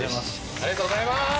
ありがとうございます。